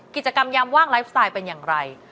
กิจกรรมยามว่างไลฟ์สไตล์เป็นอย่างไร